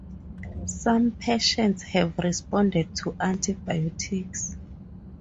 Some patients have responded to antibiotics.